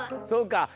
そうか！